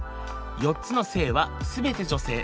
４つの性は全て女性。